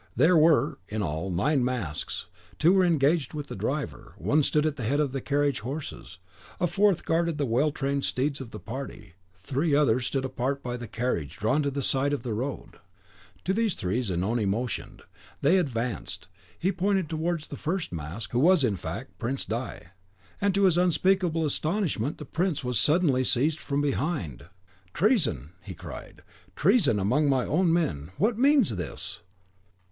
There were, in all, nine masks: two were engaged with the driver; one stood at the head of the carriage horses; a fourth guarded the well trained steeds of the party; three others (besides Zanoni and the one who had first accosted Viola) stood apart by a carriage drawn to the side of the road. To these three Zanoni motioned; they advanced; he pointed towards the first mask, who was in fact the Prince di , and to his unspeakable astonishment the prince was suddenly seized from behind. "Treason!" he cried. "Treason among my own men! What means this?"